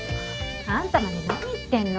あんたまで何言ってんの。